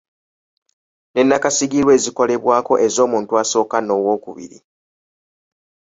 Ne nnakasigirwa ezikolebwako ez’omuntu asooka n’ow’okubiri.